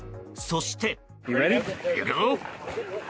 そして。